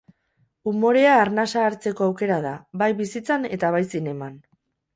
Umorea arnasa hartzeko aukera da, bai bizitzan eta bai zineman.